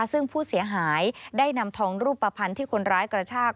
ซึ่งผู้เสียหายได้นำทองรูปภัณฑ์ที่คนร้ายกระชาก